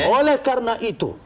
oleh karena itu